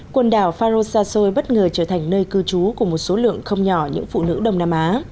quần đảo faroe xa xôi bất ngờ trở thành nơi cư trú của một số lượng không nhỏ những phụ nữ đông nam á